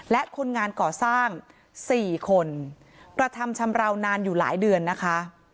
และคนงานก่อสร้าง๔คนกระทำชำราวนานอยู่หลายเดือนนะคะ